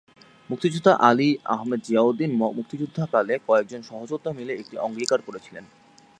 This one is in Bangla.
মুক্তিযোদ্ধা আলী আহমেদ জিয়াউদ্দিন মুক্তিযুদ্ধকালে কয়েকজন সহযোদ্ধা মিলে একটি অঙ্গীকার করেছিলেন।